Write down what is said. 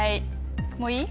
もういい？